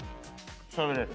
しゃべれる。